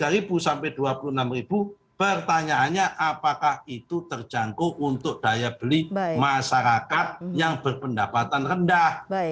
rp tiga sampai rp dua puluh enam pertanyaannya apakah itu terjangkau untuk daya beli masyarakat yang berpendapatan rendah